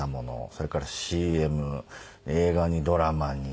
それからＣＭ映画にドラマに。